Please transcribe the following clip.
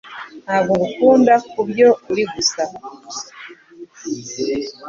Ntabwo ngukunda kubyo uri gusa,